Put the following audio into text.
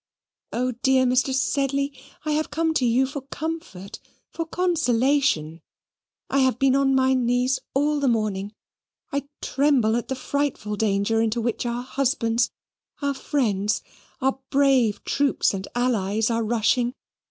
Oh! dear Mr. Sedley, I have come to you for comfort for consolation. I have been on my knees all the morning. I tremble at the frightful danger into which our husbands, our friends, our brave troops and allies, are rushing.